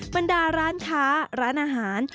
บรรดาร้านค้าร้านอาหาร